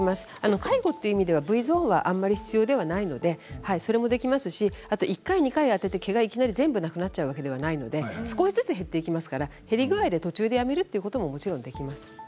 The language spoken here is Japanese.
介護はＶゾーンはあまり必要ではないのでそれもできますし１回２回に分けて毛が全部なくなっちゃうわけではないので少しずつ減っていきますから減り具合で途中でやめることももちろんできます。